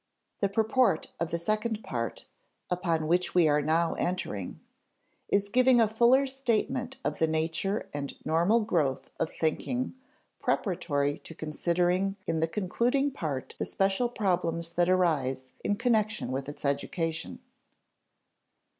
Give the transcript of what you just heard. The purport of the second part, upon which we are now entering, is giving a fuller statement of the nature and normal growth of thinking, preparatory to considering in the concluding part the special problems that arise in connection with its education.